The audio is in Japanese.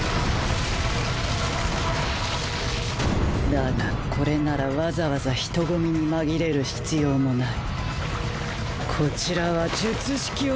だがこれならわざわざ人混みに紛れる必要もない。